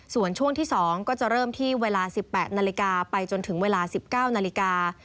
ส่วนช่วงที่๒ก็จะเริ่มที่เวลา๑๘นาฬิกาไปจนถึงเวลา๑๙นาฬิกา